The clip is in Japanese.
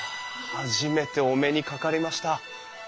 初めてお目にかかりました。